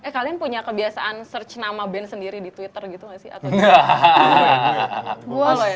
kalian punya kebiasaan search nama band sendiri di twitter gitu gak sih atau gimana